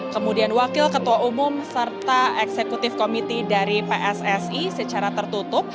kemudian wakil ketua umum serta eksekutif komiti dari pssi secara tertutup